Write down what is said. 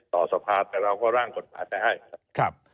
ต่อสภาพแต่เราก็ร่างกฎหมายได้ให้